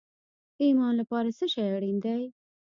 د ایمان لپاره څه شی اړین دی؟